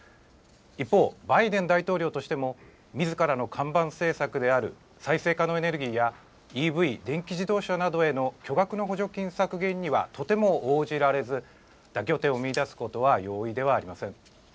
一方、バイデン大統領としても、みずからの看板政策である再生可能エネルギーやＥＶ・電気自動車などへの巨額の補助金削減にはとても応じられず、妥協点を見いだすことは容易ではありません。